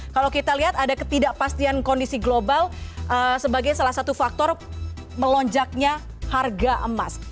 kalau kita lihat ada ketidakpastian kondisi global sebagai salah satu faktor melonjaknya harga emas